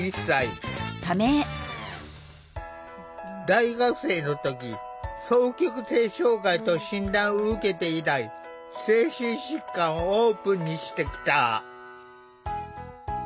大学生の時双極性障害と診断を受けて以来精神疾患をオープンにしてきた。